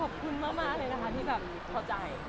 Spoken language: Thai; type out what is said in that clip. ขอบคุณมากเลยนะคะที่แบบพอใจ